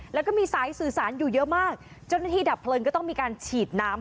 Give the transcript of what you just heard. แล้วก็มีสายสื่อสารอยู่เยอะมากเจ้าหน้าที่ดับเพลิงก็ต้องมีการฉีดน้ำ